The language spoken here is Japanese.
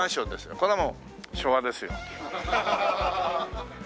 これはもう昭和ですよ。